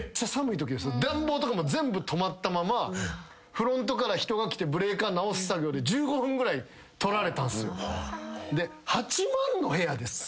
暖房とかも全部止まったままフロントから人が来てブレーカー直す作業で１５分ぐらい取られたんすよ。